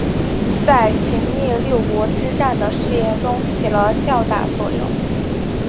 在秦灭六国之战的事业中起了较大作用。